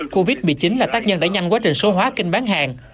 covid một mươi chín là tác nhân đẩy nhanh quá trình số hóa kênh bán hàng